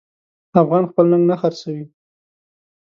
افغان خپل ننګ نه خرڅوي.